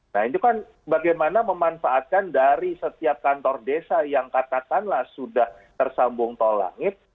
nah itu kan bagaimana memanfaatkan dari setiap kantor desa yang katakanlah sudah tersambung tol langit